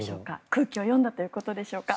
空気を読んだということでしょうか。